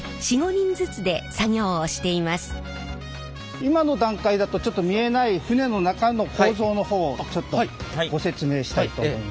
今の段階だとちょっと見えない船の中の構造の方をご説明したいと思います。